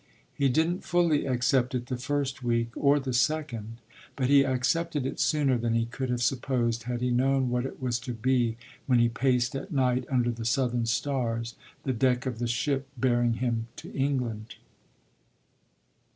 He didn't fully accept it the first week or the second; but he accepted it sooner than he could have supposed had he known what it was to be when he paced at night, under the southern stars, the deck of the ship bearing him to England.